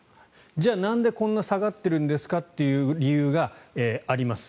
じゃあ、なんでこんなに下がってるんですかという理由があります。